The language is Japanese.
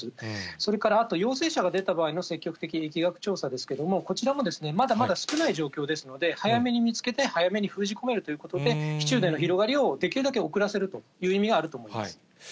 それからあと、陽性者が出た場合の積極的疫学調査ですけれども、こちらも、まだまだ少ない状況ですので、早めに見つけて早めに封じ込めるということで、市中での広がりをできるだけ遅らせるという意味があると思います。